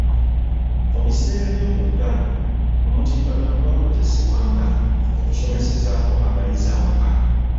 Mu biseera by'omuggalo, omutimbagano gwakozesebwanga okusomesezaako abayizi awaka.